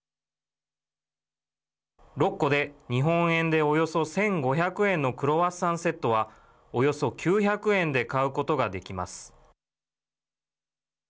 ６個で日本円でおよそ１５００円のクロワッサンセットはおよそ９００円で買うことができます。